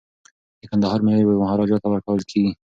د کندهار میوې به مهاراجا ته ورکول کیږي.